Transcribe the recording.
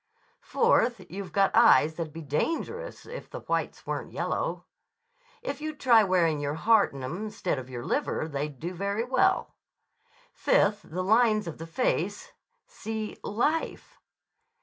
Fourth, you've got eyes that'd be dangerous if the whites weren't yellow. If you'd try wearing your heart in 'em instead of your liver, they'd do very well. Fifth, the lines of the face—see 'Life.